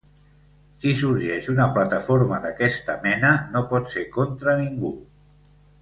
Si sorgeix una plataforma d’aquesta mena no pot ser contra ningú.